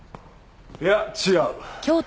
いや違う。